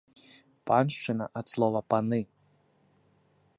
Паншчына ад слова паны.